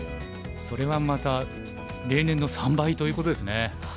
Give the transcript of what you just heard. それはまた例年の３倍ということですね。